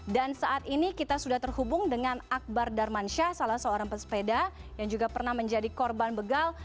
dan saat ini kita sudah terhubung dengan akbar darmansyah salah seorang pesepeda yang juga pernah menjadi korban begal